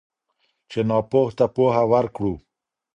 چې ناپوه ته پوهه ورکړو.